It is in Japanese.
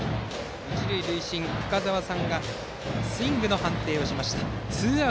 一塁塁審、深沢さんがスイングの判定をしました。